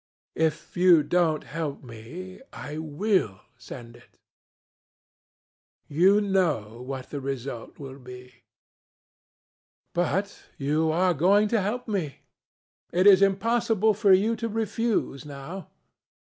If you don't help me, I will send it. You know what the result will be. But you are going to help me. It is impossible for you to refuse now.